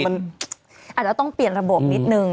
อาจจะต้องเปลี่ยนระบบนิดนึง